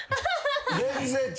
全然違う。